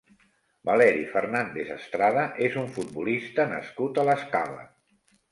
Valery Fernández Estrada és un futbolista nascut a l'Escala.